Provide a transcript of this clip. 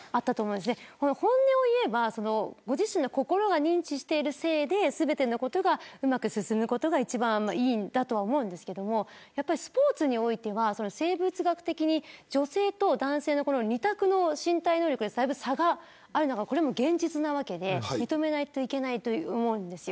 本音を言えばご自身の心が認知している性で全ての事がうまく進むことがいいんだと思うんですけどスポーツにおいては生物学的に女性と男性のニ択の身体能力に差があるのは現実なわけで認めないといけないと思うんです。